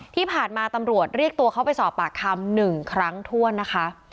ที่ผ่านมาตำรวจเรียกตัวเขาไปสอบปากคำ๑ครั้งถ้วนนะคะ